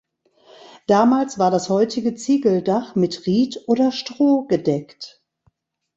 Damals war das heutige Ziegeldach mit Ried oder Stroh gedeckt.